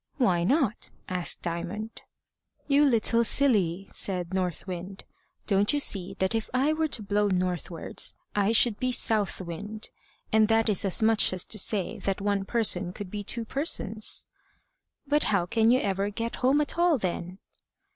"Why not?" asked Diamond. "You little silly!" said North Wind. "Don't you see that if I were to blow northwards I should be South Wind, and that is as much as to say that one person could be two persons?" "But how can you ever get home at all, then?"